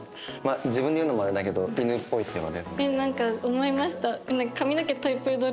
自分で言うのもあれだけど犬っぽいって言われる。